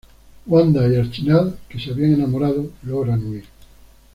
Wanda y Archibald, que se habían enamorado, logran huir.